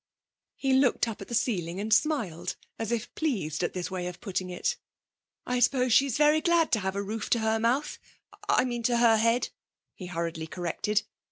He looked up at the ceiling and smiled, as if pleased at this way of putting it. 'I suppose she's very glad to have a roof to her mouth I mean to her head,' he hurriedly corrected.